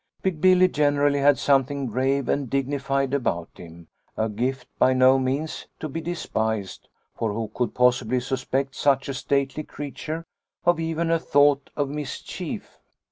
" Big Billy generally had something grave and dignified about him, a gift by no means to be despised, for who could possibly suspect such a stately creature of even a thought of mis chief